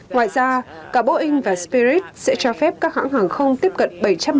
ngoài ra cả boeing và spirit sẽ cho phép các hãng hàng không tiếp cận